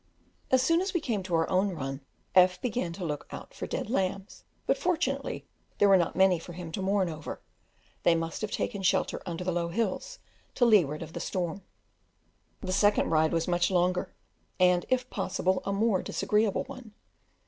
As soon as we came on our own run, F began to look out for dead lambs, but fortunately there were not many for him to mourn over; they must have taken shelter under the low hills, to leeward of the storm. The second ride was much longer, and if possible a more disagreeable one.